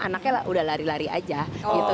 anaknya udah lari lari aja gitu